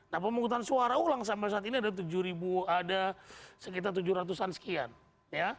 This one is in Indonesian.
nah pemungkutan suara ulang sampai saat ini ada sekitar tujuh ratus an sekian ya